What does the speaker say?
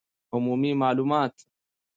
عمومي معلومات